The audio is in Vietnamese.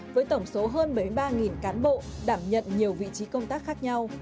với tổng số hơn bảy mươi ba cán bộ đảm nhận nhiều vị trí công tác khác nhau